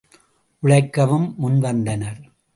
உழைக்கவும் முன் வந்தனர்.